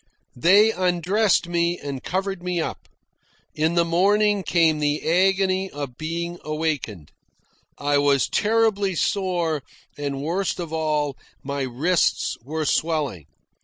They undressed me and covered me up. In the morning came the agony of being awakened. I was terribly sore, and, worst of all, my wrists were swelling.